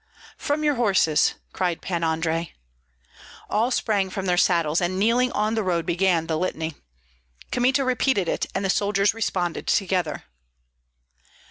"From your horses!" cried Pan Andrei. All sprang from their saddles, and kneeling on the road began the litany. Kmita repeated it, and the soldiers responded together.